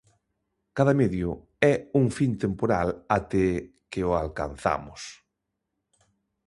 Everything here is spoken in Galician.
Cada medio é un fin temporal até que o alcanzamos.